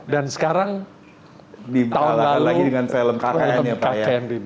dan sekarang tahun lalu film kmd disatukan